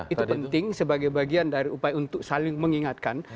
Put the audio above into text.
itu penting sebagai bagian dari upaya untuk saling mengingatkan